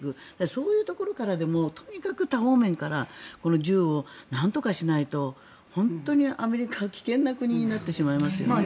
そういうところからでもとにかく多方面から銃をなんとかしないと本当にアメリカは危険な国になってしまいますよね。